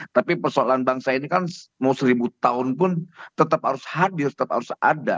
tapi persoalan bangsa ini kan mau seribu tahun pun tetap harus hadir tetap harus ada